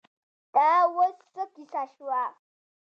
دا اوس څه کیسه شوه.